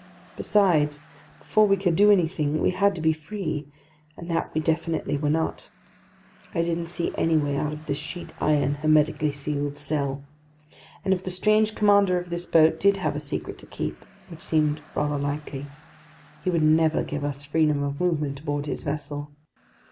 Besides, before we could do anything, we had to be free, and that we definitely were not. I didn't see any way out of this sheet iron, hermetically sealed cell. And if the strange commander of this boat did have a secret to keep—which seemed rather likely—he would never give us freedom of movement aboard his vessel.